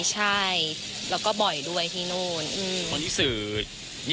ใช่แล้วก็บ่อยด้วยที่นู่น